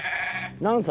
何歳？